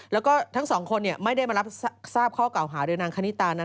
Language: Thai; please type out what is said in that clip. แล้วก็ทั้งสองคนไม่ได้มารับทราบข้อเก่าหาโดยนางคณิตานั้น